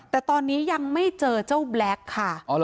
แต่ตอนนี้ยังไม่เจอเจ้าแบล็คค่ะ